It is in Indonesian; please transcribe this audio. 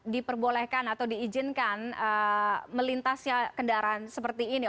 diperbolehkan atau diizinkan melintasnya kendaraan seperti ini